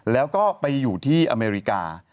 แล้วก็ไปอยู่ที่อเมริกา